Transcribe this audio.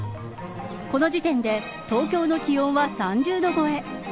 この時点で東京の気温は３０度超え。